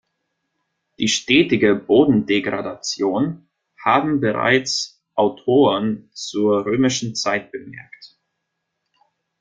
Die stetige Bodendegradation haben bereits Autoren zur römischen Zeit bemerkt.